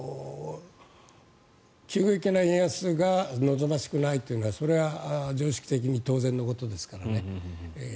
急激な円安が望ましくないというのはそれは常識的に当然のことですからね。